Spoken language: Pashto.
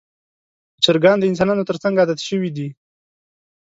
چرګان د انسانانو تر څنګ عادت شوي دي.